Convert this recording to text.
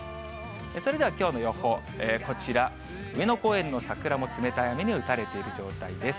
それではきょうの予報、こちら、上野公園の桜も冷たい雨に打たれている状態です。